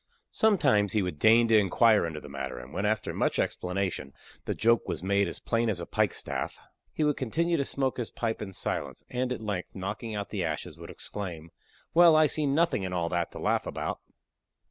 Sometimes he would deign to inquire into the matter, and when, after much explanation, the joke was made as plain as a pike staff, he would continue to smoke his pipe in silence, and at length, knocking out the ashes, would exclaim, "Well, I see nothing in all that to laugh about."